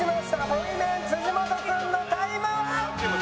ボイメン本君のタイムは？